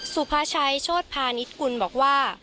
สุภาชัยโชธพาณิชกุลบอกว่า